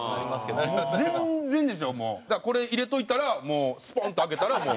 だからこれ入れといたらスポンと開けたらもう。